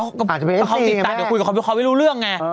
ก็เขาติดตามเดี๋ยวคุยกับเขาไม่รู้เรื่องไง